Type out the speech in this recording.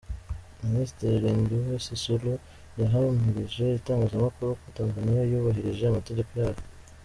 Ministiri Lindiwe Sisulu yahamirije itangazamakuru ko Tanzania yubahirije amategeko yayo.